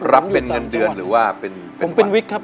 รับเป็นเงินเดือนหรือว่าเป็นวัน